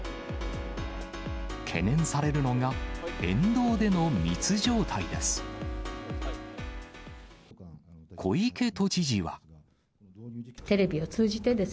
懸念されるのが、沿道での密状態です。